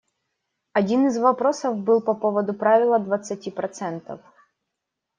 Один из вопросов был по поводу правила двадцати процентов.